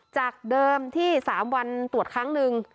จากเดิมที่๓วันตรวจครั้งหนึ่ง